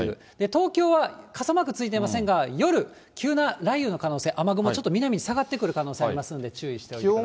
東京は傘マークついてませんが、夜、急な雷雨の可能性、雨雲、ちょっと南に下がってくる可能性ありますんで、注意しておいてください。